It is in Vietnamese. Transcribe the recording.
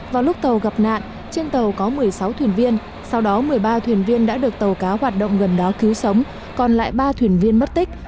vào lúc tàu gặp nạn trên tàu có một mươi sáu thuyền viên sau đó một mươi ba thuyền viên đã được tàu cá hoạt động gần đó cứu sống còn lại ba thuyền viên mất tích